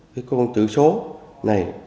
cái con chữ số này